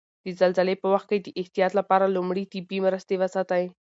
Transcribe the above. د زلزلې په وخت د احتیاط لپاره لومړي طبي مرستې وساتئ.